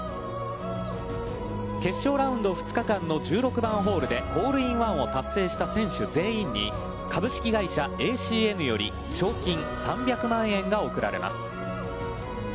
決勝ラウンド２日間の１６番ホールでホールインワンを達成した選手全員に株式会社ＡＣＮより賞金３００万円が贈られます。